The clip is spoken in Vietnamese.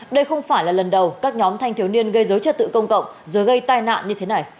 đây không phải là lần đầu các nhóm thanh thiếu niên gây dối trật tự công cộng rồi gây tai nạn như thế này